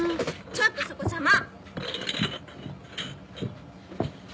ちょっとそこ邪魔。